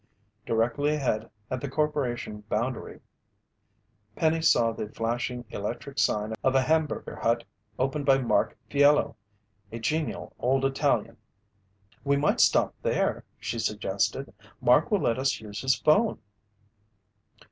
Directly ahead, at the corporation boundary, Penny saw the flashing electric sign of a hamburger hut operated by Mark Fiello, a genial old Italian. "We might stop there," she suggested. "Mark will let us use his phone."